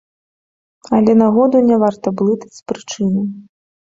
Але нагоду не варта блытаць з прычынай.